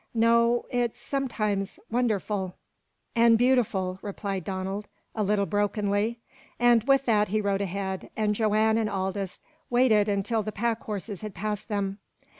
"No, it's sometimes wunnerful an' beautiful," replied Donald, a little brokenly, and with that he rode ahead, and Joanne and Aldous waited until the pack horses had passed them.